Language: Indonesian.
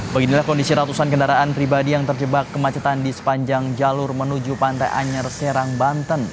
beginilah kondisi ratusan kendaraan pribadi yang terjebak kemacetan di sepanjang jalur menuju pantai anyer serang banten